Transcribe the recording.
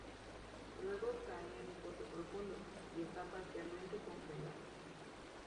Luego cae en un pozo profundo, y está parcialmente congelada.